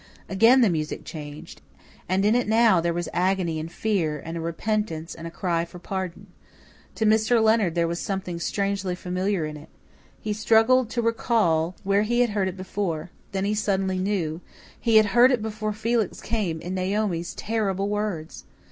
Again the music changed. And in it now there was agony and fear and repentance and a cry for pardon. To Mr. Leonard there was something strangely familiar in it. He struggled to recall where he had heard it before; then he suddenly knew he had heard it before Felix came in Naomi's terrible words!